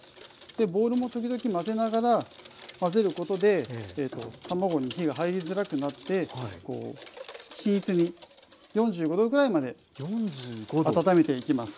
ボウルも時々混ぜながら混ぜることで卵に火が入りづらくなって均一に４５℃ぐらいまで温めていきます。